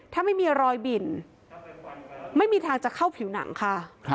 ถ้าไม่มีรอยบิ่นไม่มีทางจะเข้าผิวหนังค่ะ